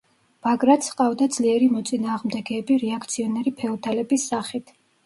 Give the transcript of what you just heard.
ბაგრატს ჰყავდა ძლიერი მოწინააღმდეგეები რეაქციონერი ფეოდალების სახით.